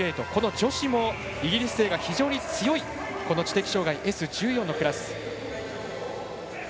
女子もイギリス勢が非常に強いこの知的障がいＳ１４のクラス。